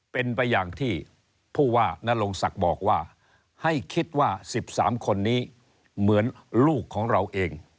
เป็นไปอย่างที่ผู้ว่านรงศักดิ์บอกว่าให้คิดว่า๑๓คนนี้เหมือนลูกของเราเอง